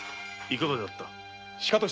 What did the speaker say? いかがだった？